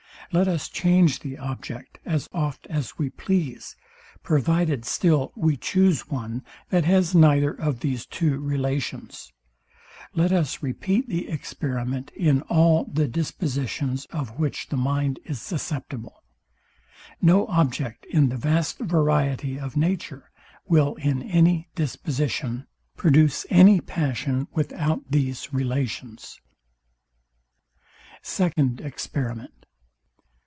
Let us change the object, as oft as we please; provided still we choose one, that has neither of these two relations. Let us repeat the experiment in all the dispositions, of which the mind is susceptible. No object, in the vast variety of nature, will, in any disposition, produce any passion without these relations. Second Experiment.